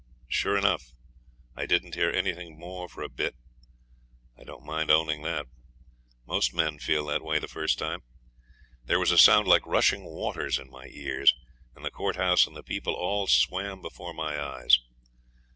Sure enough I didn't hear anything more for a bit. I don't mind owning that. Most men feel that way the first time. There was a sound like rushing waters in my ears, and the courthouse and the people all swam before my eyes.